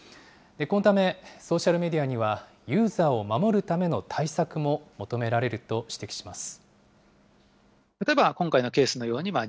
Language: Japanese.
このため、ソーシャルメディアには、ユーザーを守るための対策も求められると指摘します。